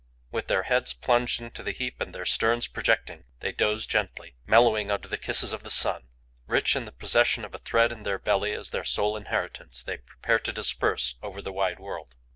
With their heads plunged into the heap and their sterns projecting, they doze gently, mellowing under the kisses of the sun. Rich in the possession of a thread in their belly as their sole inheritance, they prepare to disperse over the wide world.